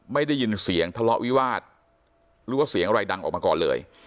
ไม่ได้ยินเสียงทะเลาะวิวาสหรือว่าเสียงอะไรดังออกมาก่อนเลย